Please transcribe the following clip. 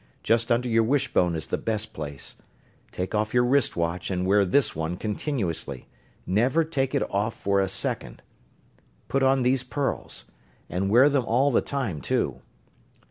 Just under your wishbone is the best place. Take off your wrist watch and wear this one continuously never take it off for a second. Put on these pearls, and wear them all the time, too.